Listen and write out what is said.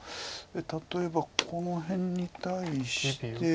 例えばこの辺に対して。